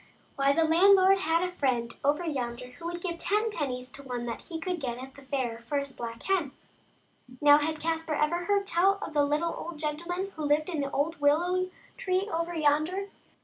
Why, the landlord had a friend over yonder who would give ten pennies to one that he could get at the fair for his black hen. Now, had Caspar ever heard tell of the little old gentleman who lived in the old willow tree over yonder?